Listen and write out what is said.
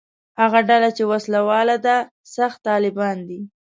هغه ډله چې وسله واله ده «سخت طالبان» دي.